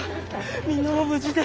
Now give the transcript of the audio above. みんなも無事で。